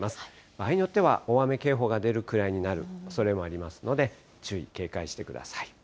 場合によっては、大雨警報が出るくらいになるおそれもありますので、注意、警戒してください。